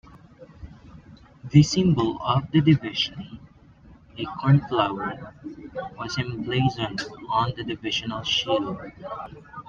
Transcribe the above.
The symbol of the division, a cornflower, was emblazoned on the divisional shield.